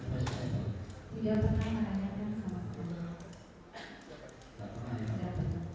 sobi lao ya atau di butang berimaninya ya